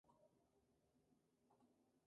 La disciplina es severa.